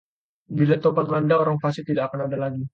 Bila topan melanda, orang fasik tidak akan ada lagi